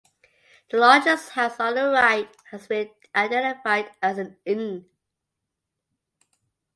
The largest house on the right has been identified as an inn.